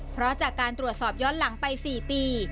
เพราะจากการตรวจสอบย้อนหลังไป๔ปี